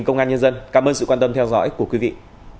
hẹn gặp lại các bạn trong những video tiếp theo